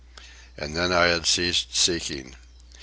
And then I had ceased seeking.